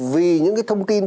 vì những cái thông tin